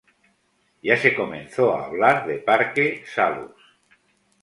Ya se comenzó a hablar de Parque Salus.